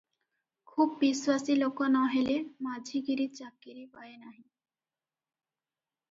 ଖୁବ୍ ବିଶ୍ୱାସୀ ଲୋକ ନ ହେଲେ ମାଝିଗିରି ଚାକିରି ପାଏ ନାହିଁ ।